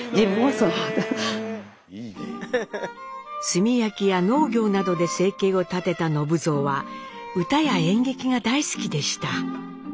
炭焼きや農業などで生計を立てた信蔵は歌や演劇が大好きでした。